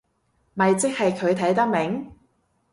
咪即係佢睇得明